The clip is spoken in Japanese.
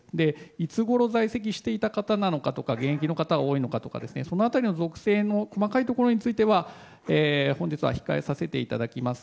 いつごろ在籍していた方なのかとか現役の方が多いのかとかその辺りの属性も細かいところについては本日は控えさせていただきます。